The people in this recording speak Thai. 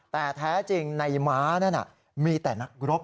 แต่แท้จริงในม้านั่นมีแต่นักรบ